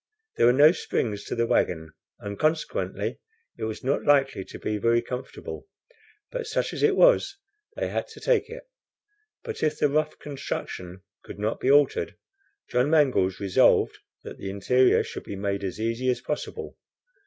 There were no springs to the wagon, and, consequently, it was not likely to be very comfortable; but, such as it was, they had to take it. But if the rough construction could not be altered, John Mangles resolved that the interior should be made as easy as possible.